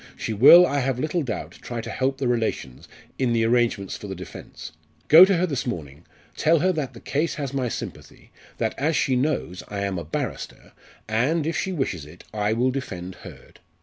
She will, I have little doubt, try to help the relations in the arrangements for the defence. Go to her this morning tell her that the case has my sympathy that, as she knows, I am a barrister, and, if she wishes it, I will defend Hurd.